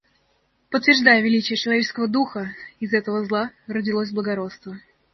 Подтверждая величие человеческого духа, из этого зла родилось благородство.